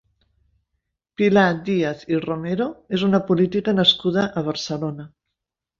Pilar Díaz i Romero és una política nascuda a Barcelona.